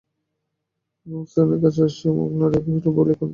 রুক্মিণী কাছে আসিয়া মুখ নাড়িয়া কহিল, বলি, এখন তো মনে পড়িবেই না।